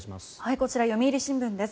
こちら、読売新聞です。